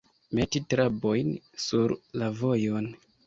Meti trabojn sur la vojon.